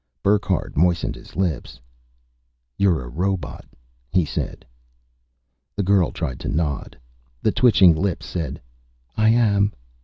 Burckhardt moistened his lips. "You're a robot," he said. The girl tried to nod. The twitching lips said, "I am.